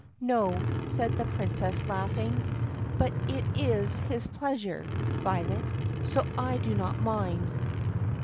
"No," said the Princess laughing, "but it is his pleasure, Violet, so I do not mind.